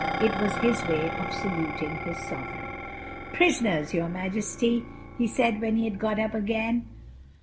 It was his way of saluting his sovereign. "Prisoners, your Majesty," he said when he had got up again.